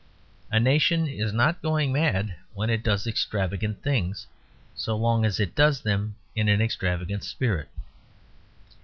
A nation is not going mad when it does extravagant things, so long as it does them in an extravagant spirit.